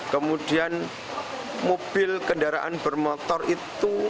kemudian mobil kendaraan bermotor itu